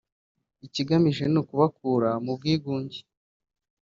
ikigamijwe ni ukubakura mu bwigunge”